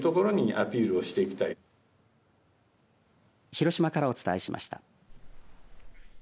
広島からお伝えしました。